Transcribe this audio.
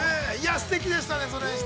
◆すてきでしたね。